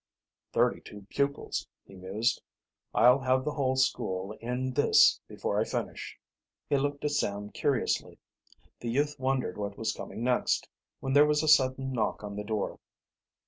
"Thirty two pupils," he mused. "I'll have the whole, school in this before I finish." He looked at Sam curiously. The youth wondered what was coming next, when there was a sudden knock on the door.